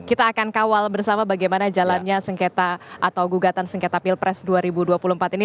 kita akan kawal bersama bagaimana jalannya sengketa atau gugatan sengketa pilpres dua ribu dua puluh empat ini